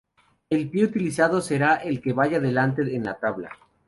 El pie utilizado será el que vaya delante en la tabla.